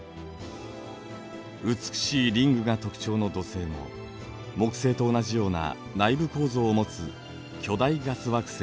美しいリングが特徴の土星も木星と同じような内部構造を持つ巨大ガス惑星です。